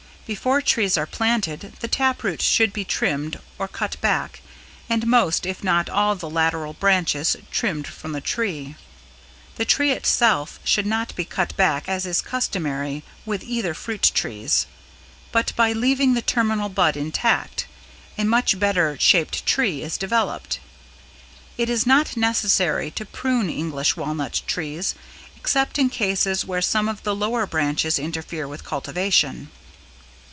Before trees are planted the tap root should be trimmed or cut back and most if not all the lateral branches trimmed from the tree. The tree itself should not be cut back as is customary with either fruit trees, but by leaving the terminal bud intact, a much better shaped tree is developed. It is not necessary to prune English Walnut trees except in cases where some of the lower branches interfere with cultivation.